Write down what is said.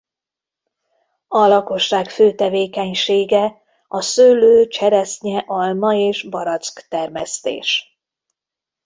A lakosság fő tevékenysége a szőlő- cseresznye- alma és barack termesztés.